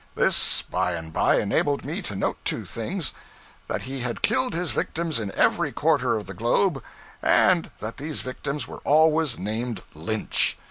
This by and by enabled me to note two things: that he had killed his victims in every quarter of the globe, and that these victims were always named Lynch.